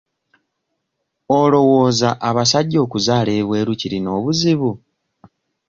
Olowooza abasajja okuzaala ebweru kirina obuzibu?